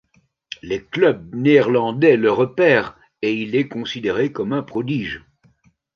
Les clubs néerlandais le repèrent, et il est considéré comme un prodige.